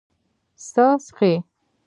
څه څښې؟